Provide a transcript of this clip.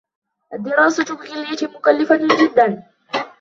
الدراسة بكليتي مكلفة جدًا.